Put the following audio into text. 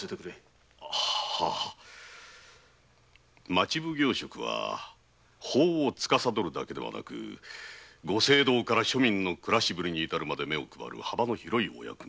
町奉行職は法を司るだけではなくご政道から庶民の暮らしにまで目をくばる幅の広いお役目。